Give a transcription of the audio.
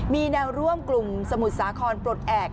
มีหลังแล้วร่วมกลุ่มตรวมสมุดสาครปลดแอบ